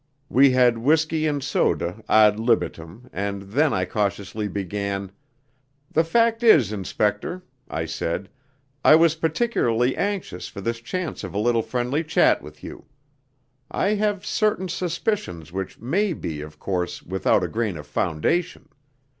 We had whisky and soda ad libitum, and then I cautiously began: "The fact is, inspector," I said, "I was particularly anxious for this chance of a little friendly chat with you. I have certain suspicions which may be, of course, without a grain of foundation.